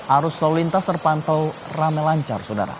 arus lalu lintas terpantau rame lancar saudara